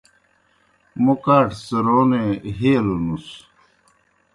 موْ کاٹھہ څِرونے ہیلونُس۔